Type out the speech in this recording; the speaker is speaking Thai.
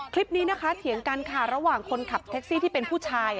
คลิปนี้นะคะเถียงกันค่ะระหว่างคนขับแท็กซี่ที่เป็นผู้ชาย